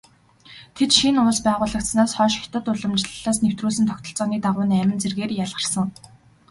Тэд шинэ улс байгуулагдсанаас хойш хятад уламжлалаас нэвтрүүлсэн тогтолцооны дагуу найман зэргээр ялгарсан.